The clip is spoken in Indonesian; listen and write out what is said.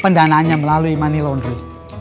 pendanaannya melalui money laundry